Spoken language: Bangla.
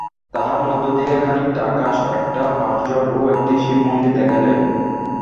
তাহার মধ্য দিয়া খানিকটা আকাশ, একটা বাঁশঝাড় ও একটি শিবমন্দির দেখা যায়।